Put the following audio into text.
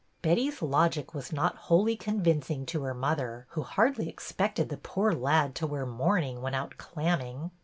Betty's logic was not wholly convincing to her mother, who hardly expected the poor lad to wear mourning when out clamming.